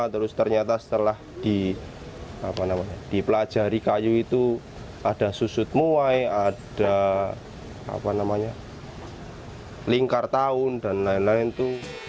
terus ternyata setelah dipelajari kayu itu ada susut muay ada lingkar tahun dan lain lain itu